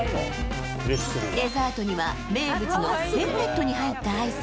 デザートには名物のヘルメットに入ったアイス。